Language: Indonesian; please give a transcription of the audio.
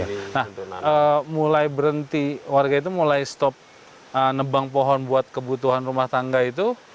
nah mulai berhenti warga itu mulai stop nebang pohon buat kebutuhan rumah tangga itu